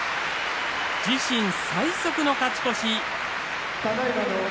自身最速の勝ち越し。